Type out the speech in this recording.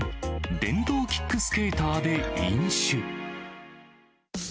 電動キックスケーターで飲酒。